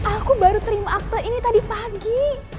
aku baru terima akte ini tadi pagi